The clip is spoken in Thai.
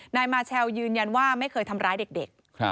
นายมาเชลยืนยันว่าไม่เคยทำร้ายเด็ก